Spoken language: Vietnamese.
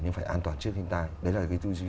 nhưng phải an toàn trước thiên tai đấy là cái tư duy